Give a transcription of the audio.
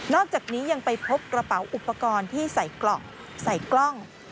นอกจากนี้ยังไปพบกระเป๋าอุปกรณ์ที่ใส่กล่อง